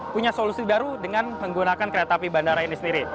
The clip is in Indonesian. punya solusi baru dengan menggunakan kereta api bandara ini sendiri